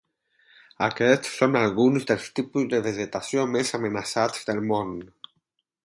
Aquests són alguns dels tipus de vegetació més amenaçats del món.